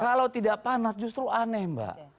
kalau tidak panas justru aneh mbak